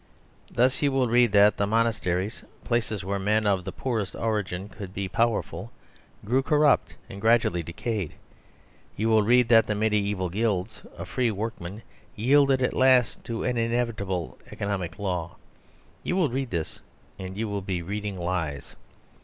Thus, you will read that the monasteries, places where men of the poorest origin could be powerful, grew corrupt and gradually decayed. Or you will read that the mediaeval guilds of free workmen yielded at last to an inevitable economic law. You will read this; and you will be reading lies.